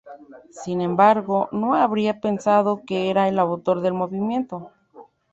Sin embargo, no habría pensado que era el autor del movimiento.